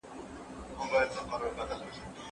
استبدادي نظامونه پر خلګو زور زياتی کوي.